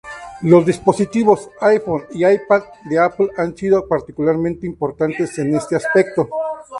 Los dispositivos iPhone y iPad de Apple han sido particularmente importantes en este aspecto.